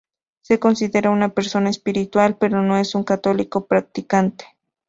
Se considera una persona espiritual pero no es un católico practicante.